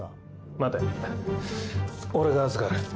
待て俺が預かる。